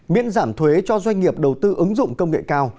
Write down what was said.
miễn giảm thuế cho doanh nghiệp đầu tư ứng dụng công nghệ cao